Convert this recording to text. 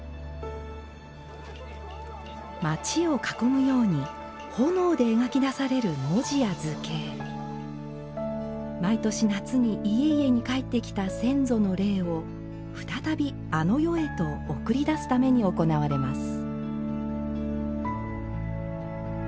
町を囲むように炎で描き出される文字や図形毎年夏に、家々に帰ってきた先祖の霊を、再び、あの世へと送り出すために行われます。